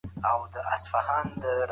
روښانه فکر کار نه دروي.